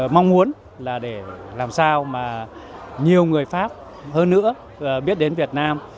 mong muốn là để làm sao mà nhiều người pháp hơn nữa biết đến việt nam